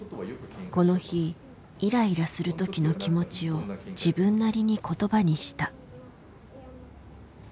この日イライラする時の気持ちを自分なりに言葉にした。